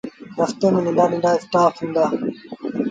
رستي ميݩ ننڍآ ننڍآ اسٽآڦ هُݩدآ۔